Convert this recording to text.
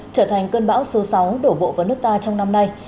trở thành cơn bão số sáu đổ bộ vào nước ta trong năm nay